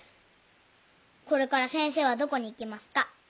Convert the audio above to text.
これから先生はどこに行きますか？